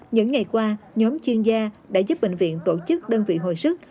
những ngày qua nhóm chuyên gia đã giúp bệnh viện tổ chức đơn vị hồi sức